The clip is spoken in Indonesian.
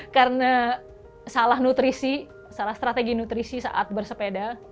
karena salah nutrisi salah strategi nutrisi saat bersepeda